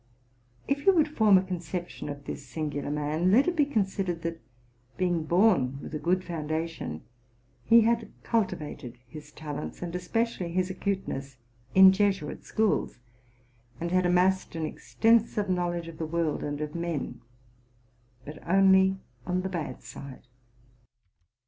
If you would form a conception of this singular man, let it be considered, that, being born with a good foundation, he had cultivated his talents, and especially his acuteness, in Jesuit schools, and had amassed an extensive knowledge of the world and of men, but only on the bad side.